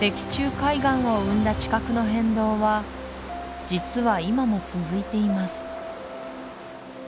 海岸を生んだ地殻の変動は実は今も続いています